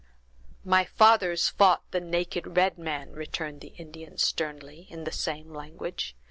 "My fathers fought with the naked red man!" returned the Indian, sternly, in the same language.